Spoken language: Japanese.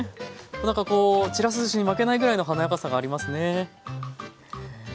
なんかちらしずしに負けないぐらいの華やかさがありますね。